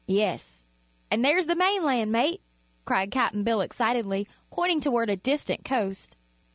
"Yes; an' there's the mainland, mate!" cried Cap'n Bill excitedly, pointing toward a distant coast.